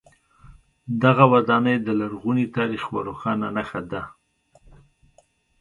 دغه ودانۍ د لرغوني تاریخ یوه روښانه نښه ده.